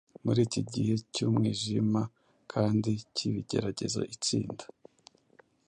Muri iki gihe cy’umwijima kandi cy’ibigeragezo itsinda